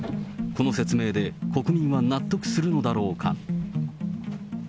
この説明で、国民は納得するのだろうか。